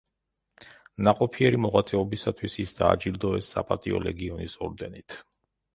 ნაყოფიერი მოღვაწეობისთვის ის დააჯილდოეს საპატიო ლეგიონის ორდენით.